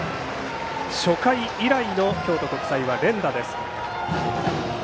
初回以来の京都国際、連打。